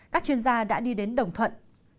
các chuyên gia đã đi đến đồng thuận